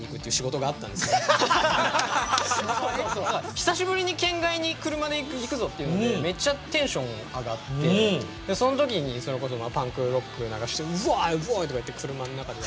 久しぶりに県外に車で行くぞっていうのでめっちゃテンション上がってその時にそれこそパンクロック流してうぉいうぉいとか言って車の中で。